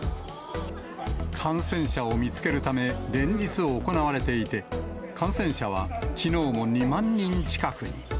感染者を見つけるため、連日行われていて、感染者は、きのうも２万人近くに。